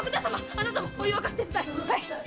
あなたもお湯沸かし手伝い！